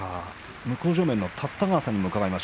向正面の立田川さんにも伺います。